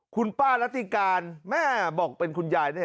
คุณป้ารัติการแม่บอกเป็นคุณยายนี่